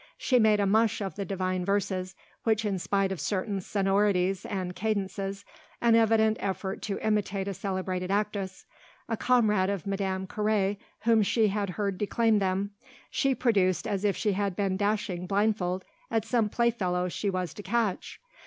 She made a mush of the divine verses, which in spite of certain sonorities and cadences, an evident effort to imitate a celebrated actress, a comrade of Madame Carré, whom she had heard declaim them, she produced as if she had been dashing blindfold at some playfellow she was to "catch."